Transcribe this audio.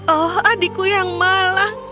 oh adikku yang malang